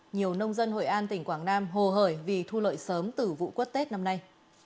nhiều nông dân hội an tỉnh quảng nam hồ hời vì thu lợi sớm từ vụ quất tết năm nay